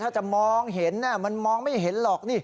ถ้าจะมองเห็นมันมองไม่เห็นหรอก